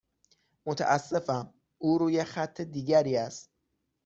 متاسفم، او روی خط دیگری است.